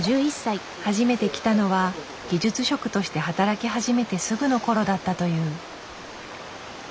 初めて来たのは技術職として働き初めてすぐのころだったという。